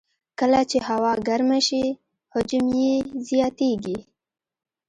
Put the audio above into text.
کله چې هوا ګرمه شي، حجم یې زیاتېږي.